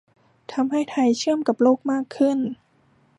ทำให้ไทยเชื่อมกับโลกมากขึ้น